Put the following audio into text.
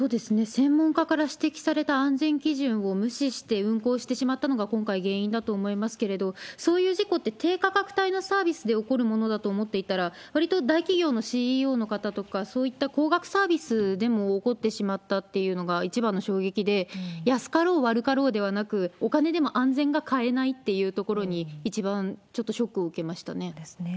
専門家から指摘された安全基準を無視して運航してしまったのが今回、原因だと思いますけれども、そういう事故って低価格帯のサービスで怒るものだと思っていたら、わりと大企業のＣＥＯの方とか、そういった高額サービスでも起こってしまったっていうのが一番の衝撃で、安かろう、悪かろうではなく、お金でも安全が買えないっていうところに、一番、そうですね。